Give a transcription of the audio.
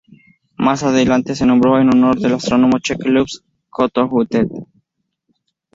Más adelante se nombró en honor del astrónomo checo Luboš Kohoutek.